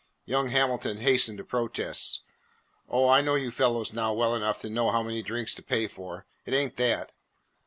Young Hamilton hastened to protest. "Oh, I know you fellows now well enough to know how many drinks to pay for. It ain't that."